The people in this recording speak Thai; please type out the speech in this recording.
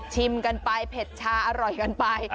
ชิมกันไปเผ็ดชาอร่อยกันไป